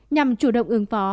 nhằm chủ động ứng phó